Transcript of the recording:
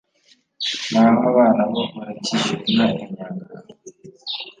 naho abana bo baracyishyura inka ya nyangara